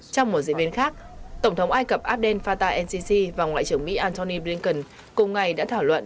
trong một diễn biến khác tổng thống ai cập abdel fattah el sisi và ngoại trưởng mỹ antony blinken cùng ngày đã thảo luận